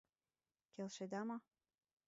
— Келшеда мо?